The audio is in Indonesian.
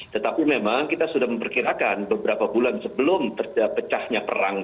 tetapi memang kita sudah memperkirakan beberapa bulan sebelum pecahnya perang